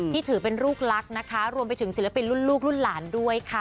ถือเป็นลูกลักษณ์นะคะรวมไปถึงศิลปินรุ่นลูกรุ่นหลานด้วยค่ะ